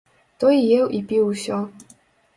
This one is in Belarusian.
Той еў і піў усё.